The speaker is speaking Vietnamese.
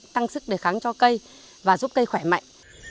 tăng sức đề kháng cho cây và giúp cây khỏe mạnh